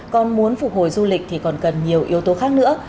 còn muốn phục hồi du lịch thì còn cần nhiều yếu tố khác nữa